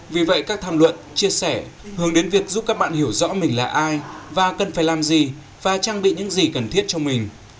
vì vậy các tham luận chia sẻ hướng đến việc giúp các bạn hiểu rõ mình là ai và cần phải làm gì và trang bị những gì cần thiết cho mình